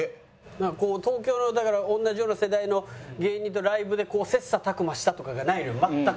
東京の同じような世代の芸人とライブで切磋琢磨したとかがないのよ全く。